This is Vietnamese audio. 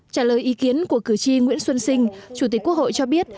trả lời ý kiến của cử tri nguyễn xuân sinh chủ tịch quốc hội cho biết